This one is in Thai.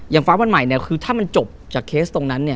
ฟ้าวันใหม่เนี่ยคือถ้ามันจบจากเคสตรงนั้นเนี่ย